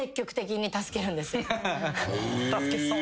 助けそう。